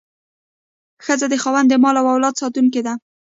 ښځه د خاوند د مال او اولاد ساتونکې ده.